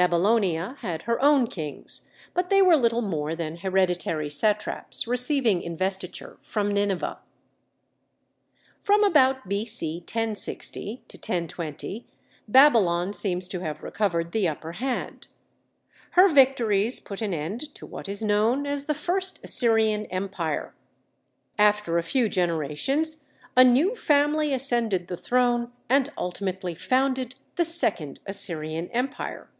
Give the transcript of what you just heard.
Babylonia had her own kings, but they were little more than hereditary satraps receiving investiture from Nineveh. From about B.C. 1060 to 1020 Babylon seems to have recovered the upper hand. Her victories put an end to what is known as the First Assyrian Empire. After a few generations a new family ascended the throne and ultimately founded the Second Assyrian Empire.